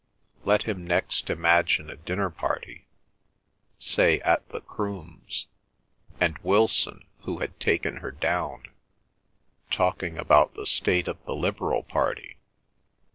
Let him next imagine a dinner party, say at the Crooms, and Wilson, who had taken her down, talking about the state of the Liberal party.